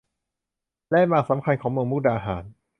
แลนด์มาร์คสำคัญของเมืองมุกดาหาร